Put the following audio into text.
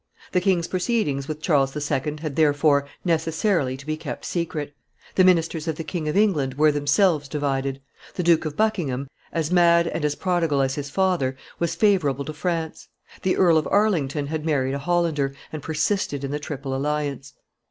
The king's proceedings with Charles II. had, therefore, necessarily to be kept secret; the ministers of the King of England were themselves divided; the Duke of Buckingham, as mad and as prodigal as his father, was favorable to France; the Earl of Arlington had married a Hollander, and persisted in the Triple Alliance.